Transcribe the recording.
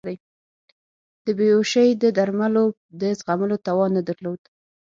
د بیهوشۍ د درملو د زغملو توان نه درلود.